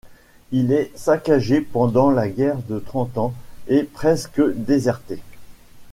Il est saccagé pendant la guerre de Trente Ans et presque déserté.